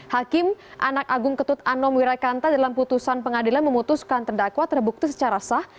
hakim anak agung ketut anom wirakanta dalam putusan pengadilan memutuskan terdakwa terbukti secara sah